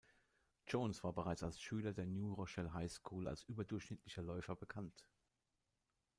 Jones war bereits als Schüler der New Rochelle High School als überdurchschnittlicher Läufer bekannt.